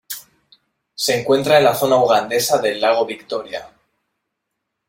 Se encuentra en la zona ugandesa del lago Victoria.